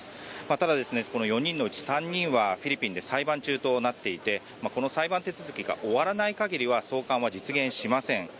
ただ、この４人のうち３人はフィリピンで裁判中となっていてこの裁判手続きが終わらない限りは送還は実現しません。